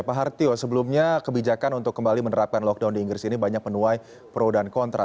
pak hartio sebelumnya kebijakan untuk kembali menerapkan lockdown di inggris ini banyak menuai pro dan kontra